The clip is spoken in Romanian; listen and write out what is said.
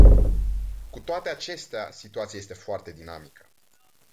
Cu toate acestea, situația este foarte dinamică.